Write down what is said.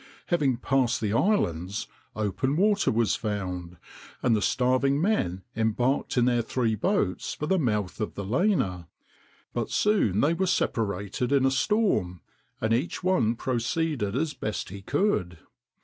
Having passed the islands, open water was found, and the starving men embarked in their three boats for the mouth of the Lena; but soon they were separated in a storm, and each one proceeded as best he could.